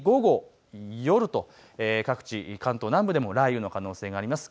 特に午後、夜、各地で関東南部でも雷雨の可能性あります。